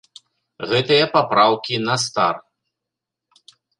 Гэтыя папраўкі на стар.